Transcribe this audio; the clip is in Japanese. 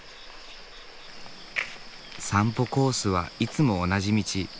散歩コースはいつも同じ道。